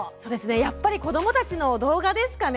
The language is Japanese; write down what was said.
やっぱり子どもたちの動画ですかね。